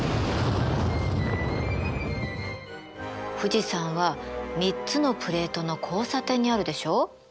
富士山は３つのプレートの交差点にあるでしょ？